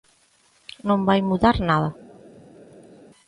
Non vai mudar nada.